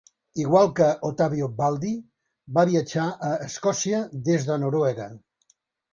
Igual que Ottavio Baldi, va viatjar a Escòcia des de Noruega.